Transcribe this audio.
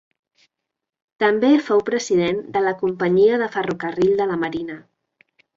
També fou president de la Companyia de Ferrocarril de La Marina.